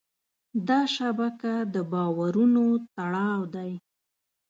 دا شبکه د باورونو تړاو دی.